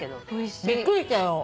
びっくりしたよ。